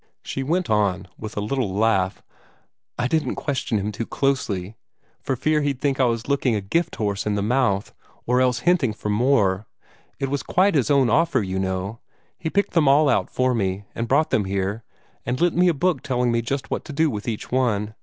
She went on with a little laugh: "I didn't like to question him too closely, for fear he'd think I was looking a gift horse in the mouth or else hinting for more. It was quite his own offer, you know. He picked them all out for me, and brought them here, and lent me a book telling me just what to do with each one.